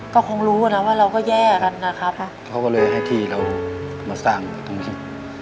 ก็คงรู้นะว่าเราก็แย่กันนะครับเขาก็เลยให้ที่เรามาสร้างตรงนี้